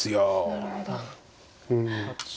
なるほど。